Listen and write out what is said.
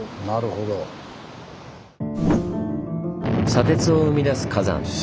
砂鉄を生み出す火山。